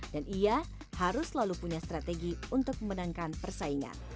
dan iya harus selalu punya strategi untuk memenangkan persaingan